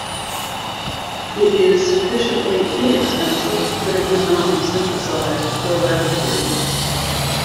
It is sufficiently inexpensive that it would not be synthesized for laboratory use.